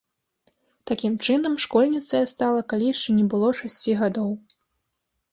Такім чынам, школьніцай я стала, калі яшчэ не было шасці гадоў.